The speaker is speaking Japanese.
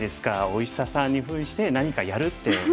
お医者さんにふんして何かやるって。